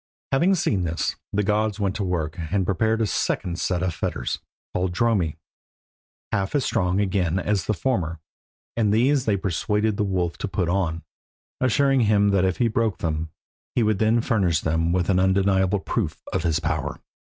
Having seen this, the gods went to work, and prepared a second set of fetters, called Dromi, half as strong again as the former, and these they persuaded the wolf to put on, assuring him that if he broke them he would then furnish them with an undeniable proof of his power.